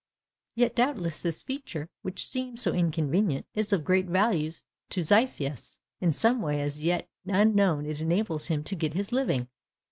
Yet doubtless this feature, which seems so inconvenient, is of great value to Xiphias. In some way as yet unknown it enables him to get his living.